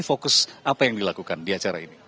fokus apa yang dilakukan di acara ini